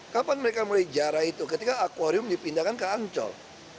kapan mereka mulai jarah itu ketika akwarium dipindahkan ke ancol